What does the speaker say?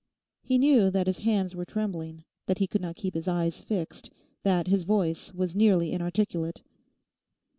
He knew that his hands were trembling, that he could not keep his eyes fixed, that his voice was nearly inarticulate.